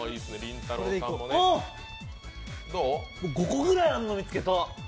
５個ぐらいあるの見つけた！